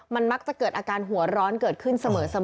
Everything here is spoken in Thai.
มันมักจะเกิดอาการหัวร้อนเกิดขึ้นเสมอ